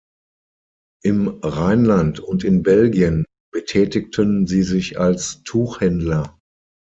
Im Rheinland und in Belgien betätigten sie sich als Tuchhändler.